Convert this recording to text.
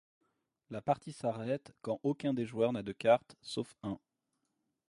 La partie s’arrête quand aucun des joueurs n’a de cartes sauf un.